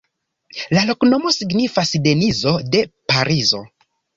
La loknomo signifas: Denizo de Parizo.